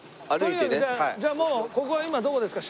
とにかくじゃあもうここは今どこですか？